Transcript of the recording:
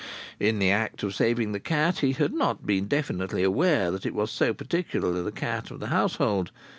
In the act of saving the cat he had not been definitely aware that it was so particularly the cat of the household.